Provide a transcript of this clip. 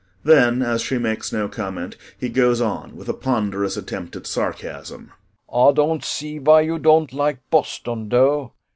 [Then, as she makes no comment, he goes on with a ponderous attempt at sarcasm.] Ay don't see vhy you don't like Boston, dough.